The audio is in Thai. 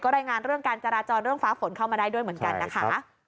รายงานเรื่องการจราจรเรื่องฟ้าฝนเข้ามาได้ด้วยเหมือนกันนะคะ